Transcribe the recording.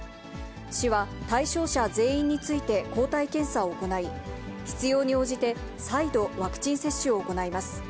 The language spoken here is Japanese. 市は、対象者全員について抗体検査を行い、必要に応じて再度ワクチン接種を行います。